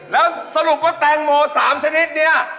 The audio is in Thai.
แล้วสรุปว่าแตงโม๓ชนิดนี้